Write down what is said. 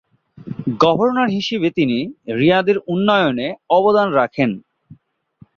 Governor হিসেবে তিনি রিয়াদের উন্নয়নে অবদান রাখেন।